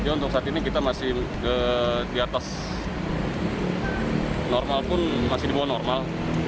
untuk saat ini kita masih di atas normal pun masih di bawah normal